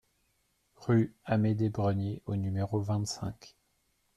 Rue Amédée Brenier au numéro vingt-cinq